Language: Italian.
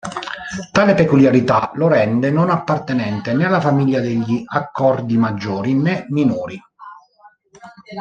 Tale peculiarità lo rende non appartenente né alla famiglia degli accordi maggiori, né minori.